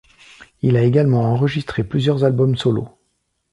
Il a également enregistré plusieurs albums solo.